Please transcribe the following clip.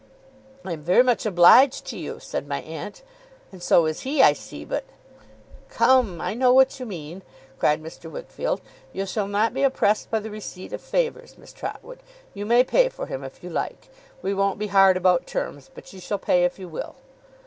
'I am very much obliged to you,' said my aunt; 'and so is he, I see; but ' 'Come! I know what you mean,' cried Mr. Wickfield. 'You shall not be oppressed by the receipt of favours, Miss Trotwood. You may pay for him, if you like. We won't be hard about terms, but you shall pay if you will.